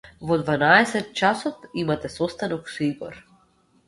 Во дванаесет часот имате состанок со Игор.